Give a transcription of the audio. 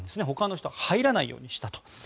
ほかの人は入らないようにしたと。